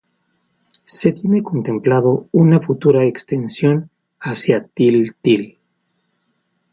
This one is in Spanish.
Se tiene contemplado una futura extensión hacia Til Til.